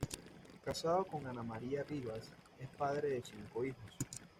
Casado con Ana María Rivas, es padre de cinco hijos.